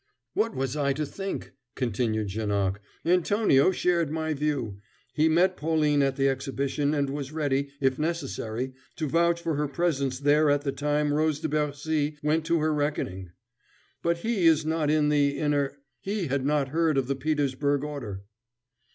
"What was I to think?" continued Janoc. "Antonio shared my view. He met Pauline at the Exhibition, and was ready, if necessary, to vouch for her presence there at the time Rose de Bercy went to her reckoning; but he is not in the inner he had not heard of the Petersburg order."